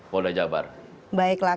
polda jabar baiklah